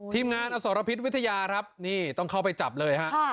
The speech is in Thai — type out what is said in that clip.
ทีมงานอสรพิษวิทยาครับนี่ต้องเข้าไปจับเลยฮะ